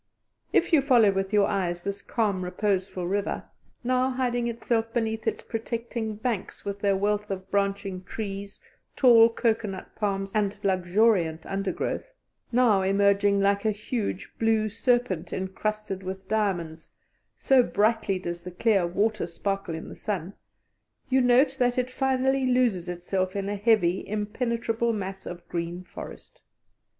If you follow with your eyes this calm, reposeful river, now hiding itself beneath its protecting banks with their wealth of branching trees, tall cocoanut palms, and luxuriant undergrowth, now emerging like a huge blue serpent encrusted with diamonds, so brightly does the clear water sparkle in the sun, you note that it finally loses itself in a heavy, impenetrable mass of green forest.